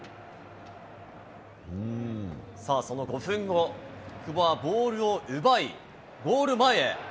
その５分後、久保はボールを奪い、ゴール前へ。